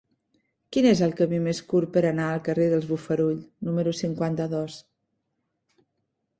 Quin és el camí més curt per anar al carrer dels Bofarull número cinquanta-dos?